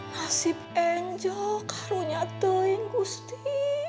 nasib angel karunyate ingusti